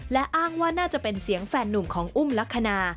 และอ้างว่าน่าจะเป็นเสียงแฟนนุ่มของอุ้มลักษณะ